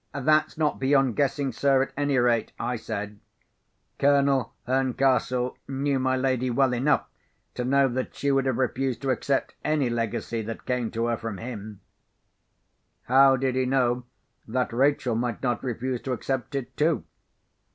"That's not beyond guessing, sir, at any rate," I said. "Colonel Herncastle knew my lady well enough to know that she would have refused to accept any legacy that came to her from him." "How did he know that Rachel might not refuse to accept it, too?"